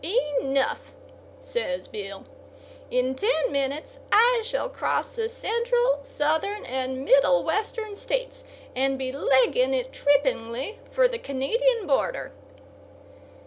"Enough," says Bill. "In ten minutes I shall cross the Central, Southern and Middle Western States, and be legging it trippingly for the Canadian border."